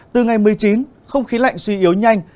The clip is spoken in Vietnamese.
từ ngày một mươi chín không khí lạnh suy yếu nhanh